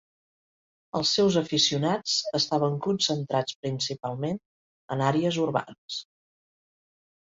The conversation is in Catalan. Els seus aficionats estaven concentrats principalment en àrees urbanes.